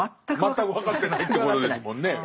全く分かってないってことですもんね。